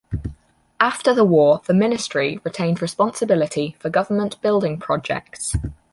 After the war, the Ministry retained responsibility for Government building projects.